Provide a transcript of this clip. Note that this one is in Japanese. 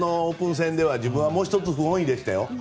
オープン戦では自分はもう一つ不本意でした